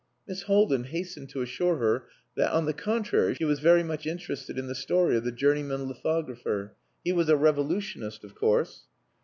Miss Haldin hastened to assure her that, on the contrary, she was very much interested in the story of the journeyman lithographer. He was a revolutionist, of course.